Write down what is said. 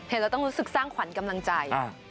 เราต้องรู้สึกสร้างขวัญกำลังใจ